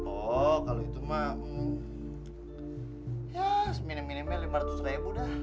oh kalau itu mak ya seminem minemnya lima ratus ribu dah